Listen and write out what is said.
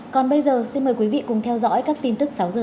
còn bây giờ xin mời quý vị cùng theo dõi các tin tức sáu h